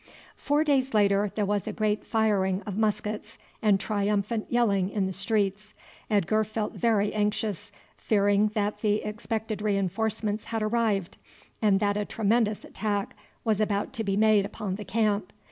Four days later there was a great firing of muskets and triumphant yelling in the streets. Edgar felt very anxious, fearing that the expected reinforcements had arrived, and that a tremendous attack was about to be made upon the camp.